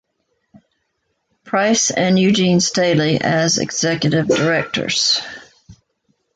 Price and Eugene Staley as Executive Directors.